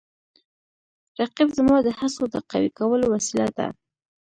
رقیب زما د هڅو د قوي کولو وسیله ده